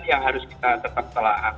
yang harus kita tetap telah